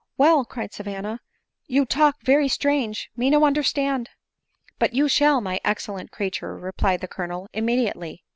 " Well," cried Savanna, " you talk very strange — me no understand." " But you shall, my excellent creature," replied the Colonel, " immediately."